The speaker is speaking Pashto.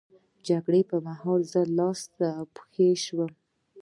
د جګړې پر مهال زه لاس او پښه شم.